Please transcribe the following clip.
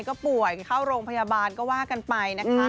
ก็ป่วยเข้าโรงพยาบาลก็ว่ากันไปนะคะ